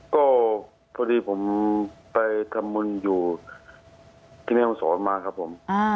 ก็พอดีผมไปทำบุญอยู่ที่แม่ห้องศรมาครับผม